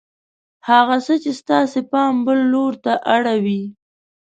هغه څه چې ستاسې پام بل لور ته اړوي